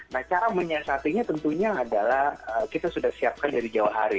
nah cara menyiasatinya tentunya adalah kita sudah siapkan dari jauh hari